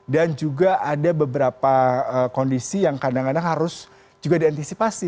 dan juga ada beberapa kondisi yang kadang kadang harus juga diantisipasi